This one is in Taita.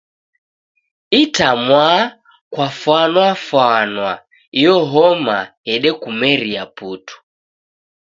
Itamwaa kwafwanafwana iyo homa yedekumeria putu